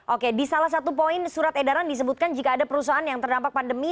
oke di salah satu poin surat edaran disebutkan jika ada perusahaan yang terdampak pandemi